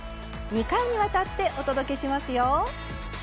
２回にわたってお届けしますよ。